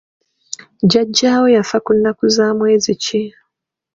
Jjajjaawo yafa ku nnnaku za mwezi ki?